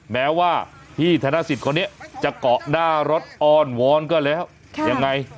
แม้ว่าพี่ธนสิทธิ์คนนี้จะเกาะหน้ารถอ้อนวอนก็แล้วยังไง